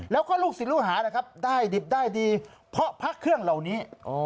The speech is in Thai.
แล้วก็ลูกศิษย์ลูกหานะครับได้ดิบได้ดีเพราะพระเครื่องเหล่านี้